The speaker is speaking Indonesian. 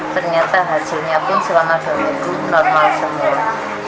ternyata hasilnya pun selama dua minggu normal semua